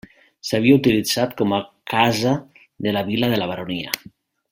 S'havia utilitzat com a casa de la vila de la Baronia.